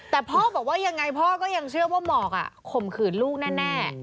แต่พ่อบอกว่ายังไงพ่อก็ยังเชื่อว่าหมอกข่มขืนลูกแน่